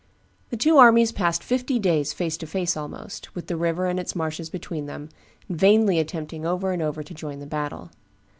The two armies passed fifty days face to face almost, with the river and its marshes between them, and vainly attempting over and over again to join battle.